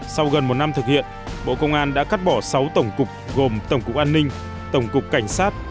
sau gần một năm thực hiện bộ công an đã cắt bỏ sáu tổng cục gồm tổng cục an ninh tổng cục cảnh sát